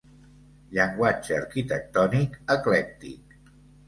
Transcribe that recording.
Llenguatge arquitectònic eclèctic.